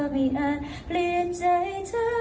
ไม่เคยอยู่ในสายตา